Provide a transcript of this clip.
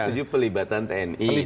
setuju pelibatan tni